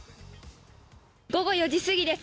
午後４時すぎです